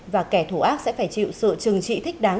và kẻ thù ác sẽ phải chịu sự trừng trị thích đáng